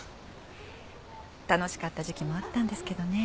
楽しかった時期もあったんですけどね。